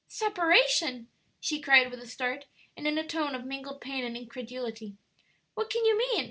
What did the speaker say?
"Separation!" she cried, with a start, and in a tone of mingled pain and incredulity. "What can you mean?